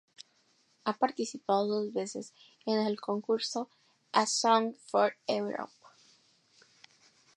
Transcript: Ha participado dos veces en el concurso A Song for Europe.